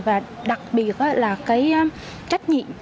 và đặc biệt là cái trách nhiệm